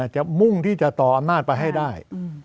มุ่งที่จะต่ออำนาจไปให้ได้